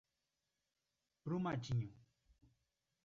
Brumadinho